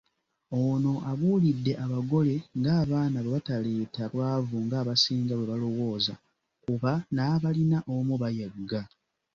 Ono abuulidde abagole ng'abaana bwe bataleeta bwavu ng'abasinga bwe balowooza kuba n'abalina omu bayagga.